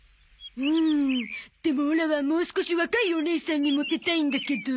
んでもオラはもう少し若いおねいさんにモテたいんだけど。